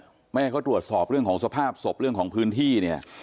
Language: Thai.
ไม่ให้เขาตรวจสอบเรื่องของสภาพศพเรื่องของพื้นที่เนี่ย